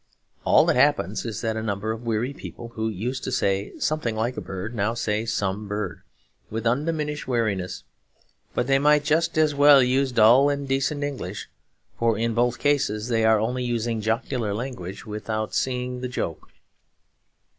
All that happens is that a number of weary people who used to say, 'Something like a bird,' now say, 'Some bird,' with undiminished weariness. But they might just as well use dull and decent English; for in both cases they are only using jocular language without seeing the joke.